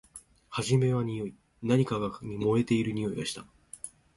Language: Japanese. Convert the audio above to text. はじめはにおい。何かが燃えているにおいがした。